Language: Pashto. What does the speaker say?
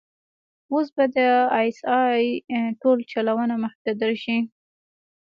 اوس به د آى اس آى ټول چلونه مخې ته درشي.